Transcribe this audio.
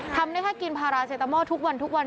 ทำได้ค่ะกินพาราเซตาเมาทุกวัน